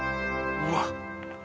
うわっ！